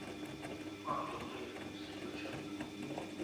話說對了，事就成了